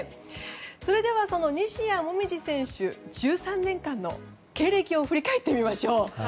それでは、その西矢椛選手１３年間の経歴を振り返ってみましょう。